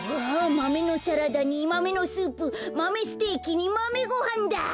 マメのサラダにマメのスープマメステーキにマメごはんだ！